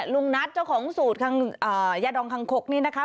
ลุงนัทเจ้าของสูตรยาดองคังคกนี่นะคะ